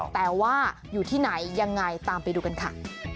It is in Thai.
แต่ว่าอยู่ที่ไหนยังไงตามไปดูกันค่ะ